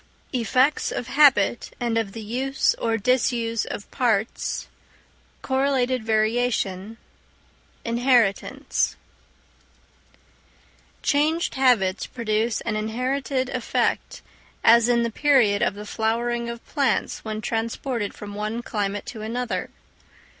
Effects of Habit and of the Use or Disuse of Parts; Correlated Variation; Inheritance. Changed habits produce an inherited effect as in the period of the flowering of plants when transported from one climate to another.